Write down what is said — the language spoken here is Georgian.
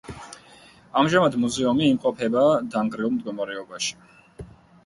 ამჟამად მუზეუმი იმყოფება დანგრეულ მდგომარეობაში.